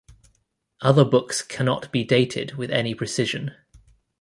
Other books cannot be dated with any precision.